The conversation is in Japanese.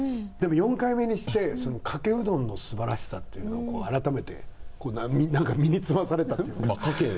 でも４回目にしてかけうどんのすばらしさっていうのを何か身につまされたっていうか。